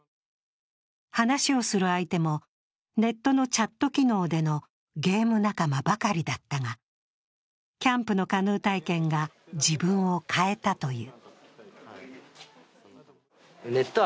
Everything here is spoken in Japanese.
話をする相手もネットのチャット機能でのゲーム仲間ばかりだったが、キャンプのカヌー体験が自分を変えたという。